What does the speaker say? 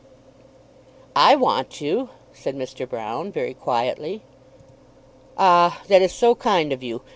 "I want you," said Mr. Broune, very quietly. "Ah, that is so kind of you.